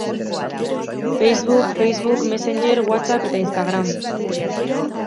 Facebook, Facebook Messenger, Whatsapp eta Instagram.